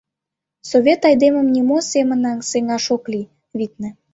— Совет айдемым нимо семынат сеҥаш ок лий, витне...